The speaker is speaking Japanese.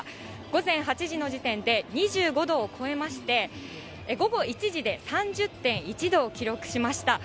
午前８時の時点で２５度を超えまして、午後１時で３０．１度を記録しました。